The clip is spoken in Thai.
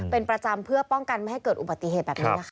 เป็นประจำเพื่อป้องกันไม่ให้เกิดอุบัติเหตุแบบนี้นะคะ